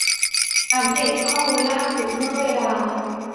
อัปเดตข้อมูลล่าสุดเมื่อเวลา